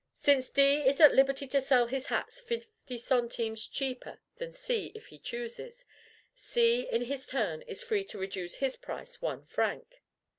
Since D is at liberty to sell his hats fifty centimes cheaper than C if he chooses, C in his turn is free to reduce his price one franc.